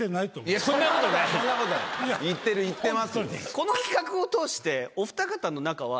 この企画を通して。